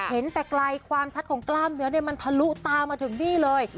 เห็นแต่ไกลความชัดของกล้ามเนื้อมันทะลุตามาถึงนี่เลย